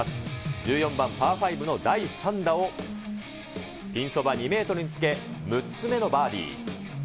１４番、パー５の第３打をピンそば２メートルにつけ、６つ目のバーディー。